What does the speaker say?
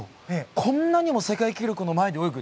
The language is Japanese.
これぐらい世界記録の前で泳ぐ。